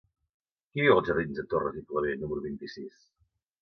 Qui viu als jardins de Torres i Clavé número vint-i-sis?